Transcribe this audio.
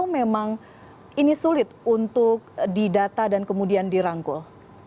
ini mendapatkan pendampingan atau memang ini sulit untuk didata dan kemudian dirangkul